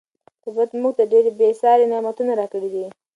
طبیعت موږ ته ډېر بې ساري نعمتونه راکړي دي.